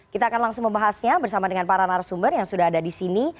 kita akan langsung membahasnya bersama dengan para narasumber yang sudah ada di sini